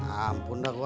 ampun dah gue